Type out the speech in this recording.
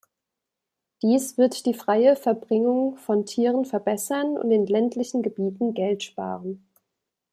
Dies wird die freie Verbringung von Tieren verbessern und in ländlichen Gebieten Geld sparen.